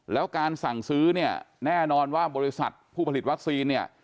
แล้วการสั่งซื้อเนี่ยแน่นอนว่าบริษัทผู้ผลิตวัคซีนเนี่ย